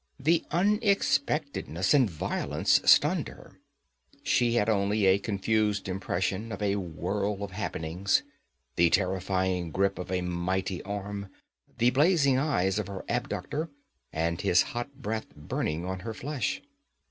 The unexpectedness and violence stunned her; she had only a confused impression of a whirl of happenings the terrifying grip of a mighty arm, the blazing eyes of her abductor, and his hot breath burning on her flesh.